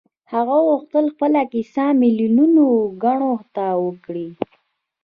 هغه غوښتل خپله کيسه ميليونو کڼو ته وکړي.